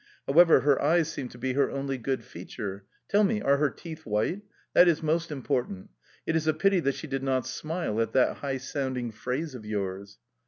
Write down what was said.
However, her eyes seem to be her only good feature... Tell me, are her teeth white? That is most important! It is a pity that she did not smile at that high sounding phrase of yours."